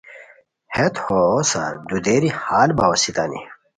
ہیت ہوسار دودیری ہال باؤ اسیتانی